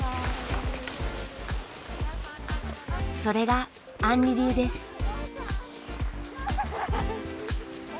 それがあんり流です。